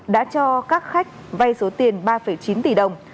đã cho các khách vay số tiền ba chín tỷ đồng